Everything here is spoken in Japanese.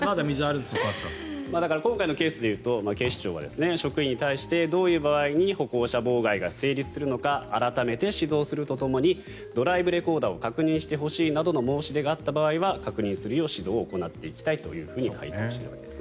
今回のケースで言うと警視庁は職員に対して歩行者妨害が成立するのか改めて指導するとともにドライブレコーダーを確認してほしいなどの申し出があった場合は確認するように指導していきたいと回答しております。